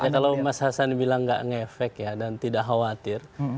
kalau mas hasan bilang nggak ngefek ya dan tidak khawatir